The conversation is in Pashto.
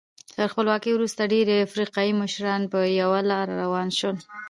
تر خپلواکۍ وروسته ډېری افریقایي مشران په یوه لار روان شول.